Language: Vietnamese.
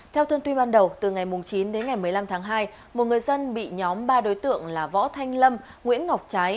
theo thông tin ban đầu từ ngày chín đến ngày một mươi năm tháng hai một người dân bị nhóm ba đối tượng là võ thanh lâm nguyễn ngọc trái